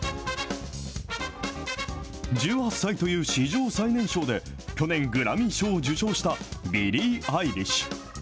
１８歳という史上最年少で、去年、グラミー賞を受賞したビリー・アイリッシュ。